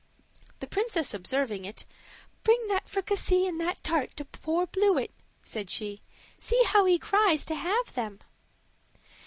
The princess observing it, "Bring that fricassee and that tart to poor Bluet," said she; "see how he cries to have them."